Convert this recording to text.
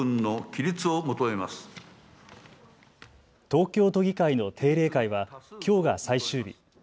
東京都議会の定例会はきょうが最終日。